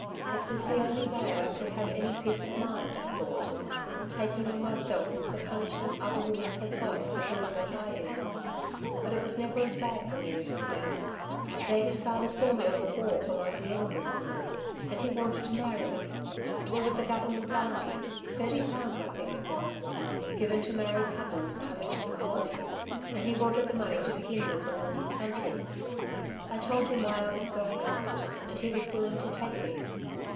It was the only way I could have any peace of mind, I thought taking on myself the punishment other women had got for doing what I did. But it was never as bad for me as for them. Davey's father saw me on the wharf among the emigrant women, and he wanted to marry me. There was a Government bounty thirty pounds I think it was given to married couples coming to the colony, and he wanted the money to begin with in the new country. I told him why I was going out, and he was willing to take me.